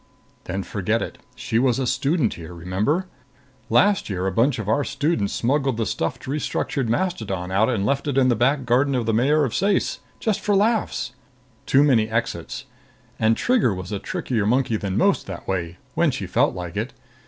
"Then forget it. She was a student here, remember? Last year a bunch of our students smuggled the stuffed restructured mastodon out and left it in the back garden of the mayor of Ceyce, just for laughs. Too many exits. And Trigger was a trickier monkey than most that way, when she felt like it.